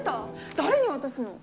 誰に渡すの？